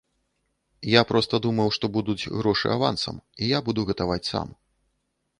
Я проста думаў, што будуць грошы авансам, і я буду гатаваць сам.